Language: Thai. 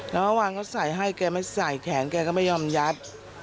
แล้วเมื่อวานเขาใส่ให้แขนเขาก็ไม่ยอมยัด